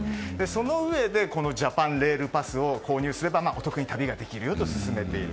そのうえでジャパン・レール・パスを購入すればお得に旅ができるよと勧めている。